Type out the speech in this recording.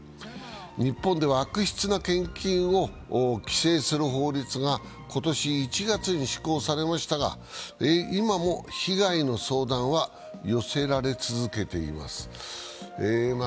日本では悪質な献金を規制する法律が今年１月に施行されましたが今も被害の相談は寄せられ続けています。